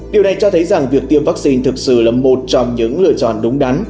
điều này cho thấy rằng việc tiêm vaccine thực sự là một trong những lựa chọn đúng đắn